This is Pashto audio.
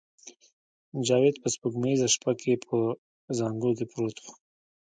جاوید په سپوږمیزه شپه کې په زانګو کې پروت و